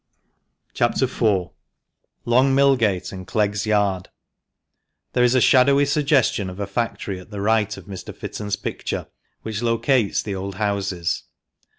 CHAP. IV.— LONG MILLGATE AND CLEGG'S YARD. — There is a shadowy suggestion of a factory at the right of Mr. Fitton's picture, which locates the old houses.